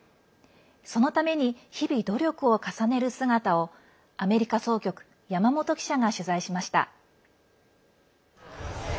そのために日々努力を重ねる姿をアメリカ総局山本記者が取材しました。